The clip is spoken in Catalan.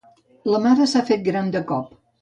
La mare s'ha fet gran de cop.